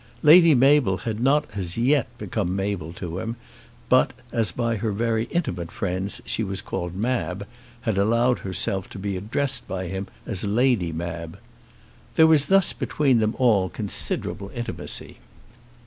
Lady Mabel had not as yet become Mabel to him, but, as by her very intimate friends she was called Mab, had allowed herself to be addressed by him as Lady Mab. There was thus between them all considerable intimacy.